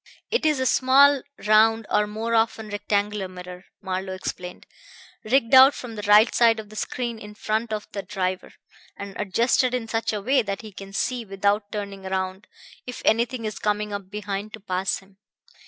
"It is a small round or more often rectangular mirror," Marlowe explained, "rigged out from the right side of the screen in front of the driver, and adjusted in such a way that he can see, without turning round, if anything is coming up behind to pass him.